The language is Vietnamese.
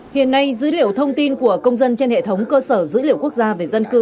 hiện nay dữ liệu thông tin của công dân trên hệ thống cơ sở dữ liệu quốc gia về dân cư